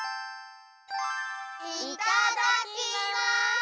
いただきます！